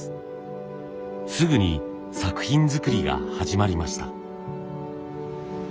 すぐに作品作りが始まりました。